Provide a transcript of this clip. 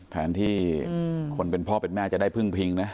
แทนที่คนเป็นพ่อเป็นแม่จะได้พึ่งพิงนะ